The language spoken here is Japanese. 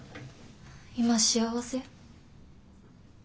今幸せ？